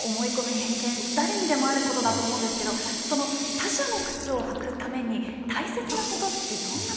偏見誰にでもあることだと思うんですけど他者の靴を履くために大切なことってどんなことなんでしょう？